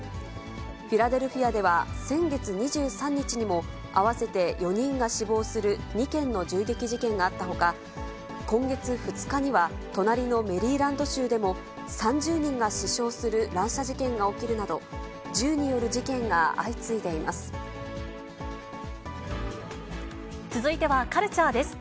フィラデルフィアでは、先月２３日にも、合わせて４人が死亡する２件の銃撃事件があったほか、今月２日には、隣のメリーランド州でも、３０人が死傷する乱射事件が起きるなど、続いてはカルチャーです。